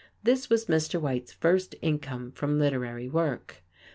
This was Mr. White's first income from literary work.